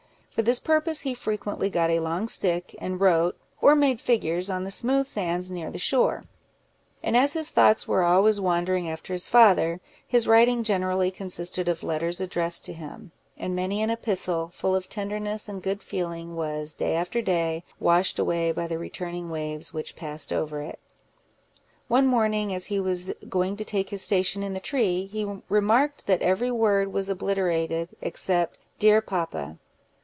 For this purpose he frequently got a long stick, and wrote, or made figures, on the smooth sands near the shore; and as his thoughts were always wandering after his father, his writing generally consisted of letters addressed to him; and many an epistle, full of tenderness and good feeling, was, day after day, washed away by the returning waves which passed over it. One morning, as he was going to take his station in the tree, he remarked that every word was obliterated, except "Dear papa."